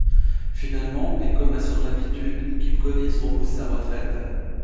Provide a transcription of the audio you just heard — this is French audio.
Finalement, et comme à son habitude, Kim Collins repousse sa retraite.